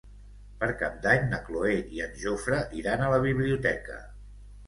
Per Cap d'Any na Cloè i en Jofre iran a la biblioteca.